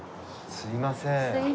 すいません。